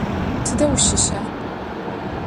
Tıde vuşışa?